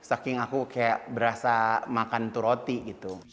saking aku kayak berasa makan tuh roti gitu